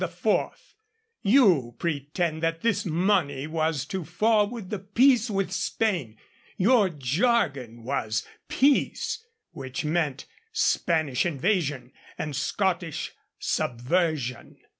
You pretend that this money was to forward the Peace with Spain. Your jargon was 'peace,' which meant Spanish invasion and Scottish subversion.